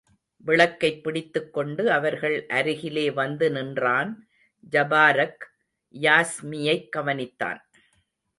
விளக்கைப் பிடித்துக்கொண்டு அவர்கள் அருகிலே வந்து நின்றான் ஜபாரக், யாஸ்மியைக் கவனித்தான்.